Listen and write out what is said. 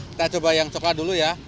kita coba yang coklat dulu ya